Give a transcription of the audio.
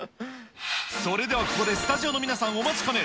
それではここでスタジオの皆さん、お待ちかね。